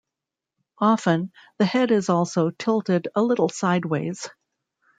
Often, the head is also tilted a little sideways.